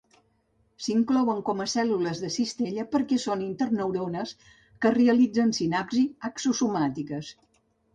S'inclouen com a cèl·lules de cistella perquè són interneurones que realitzen sinapsis axo-somàtiques.